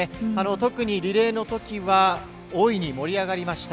特にリレーのときは大いに盛り上がりました。